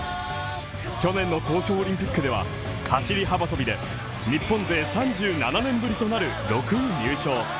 去年の東京オリンピックでは走り幅跳びで日本勢３７年ぶりとなる６位入賞。